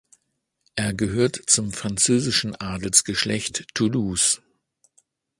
Er gehört zum französischen Adelsgeschlecht Toulouse.